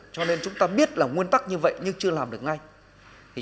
cho nên chúng ta biết là nguyên tắc như vậy nhưng chưa làm được ngay